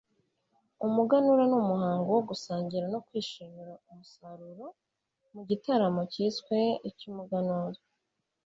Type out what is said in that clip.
Umuganura n' umuhango wo gusangira no kwishimira umusaruro mu gitaramo kiswe icy'umuganura.